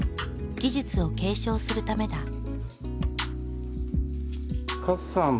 技術を継承するためだ。